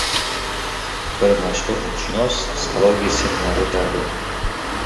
Bir mashhur ruhshunos psixologiya seminari oʻtardi.